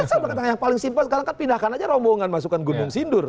saya berkata yang paling simpel sekarang kan pindahkan aja rombongan masukan gunung sindur